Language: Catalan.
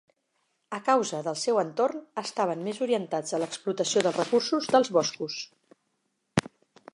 A causa del seu entorn estaven més orientats a l'explotació dels recursos dels boscos.